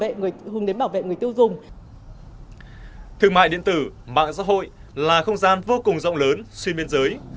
thương mại điện tử mạng xã hội là không gian vô cùng rộng lớn xuyên biên giới